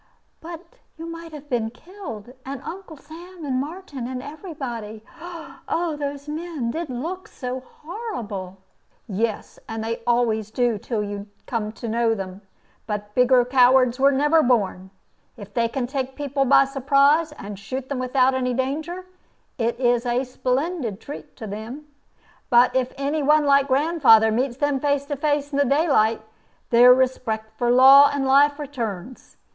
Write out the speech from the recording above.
"But you might have been killed, and Uncle Sam, and Martin, and every body. Oh, those men did look so horrible!" "Yes, they always do till you come to know them. But bigger cowards were never born. If they can take people by surprise, and shoot them without any danger, it is a splendid treat to them. But if any one like grandfather meets them face to face in the daylight, their respect for law and life returns.